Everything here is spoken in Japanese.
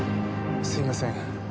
すいません。